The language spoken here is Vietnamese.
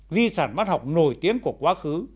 di sản văn học nổi tiếng của quá khứ